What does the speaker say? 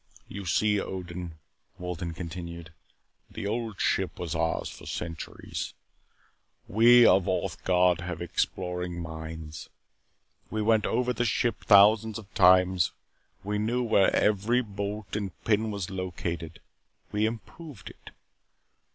You see, Odin," Wolden continued, "the Old Ship was ours for centuries. We of Orthe Gard have exploring minds. We went over the ship thousands of times. We knew where every bolt and pin was located. We improved it.